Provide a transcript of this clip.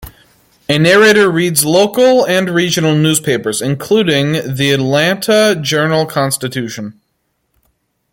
A narrator reads local and regional newspapers, including the "Atlanta Journal-Constitution".